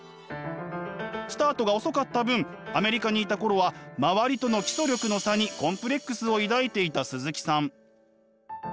スタートが遅かった分アメリカにいた頃は周りとの基礎力の差にコンプレックスを抱いていた鈴木さん。